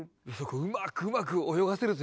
うまくうまく泳がせるというか。